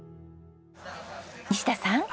西田さん。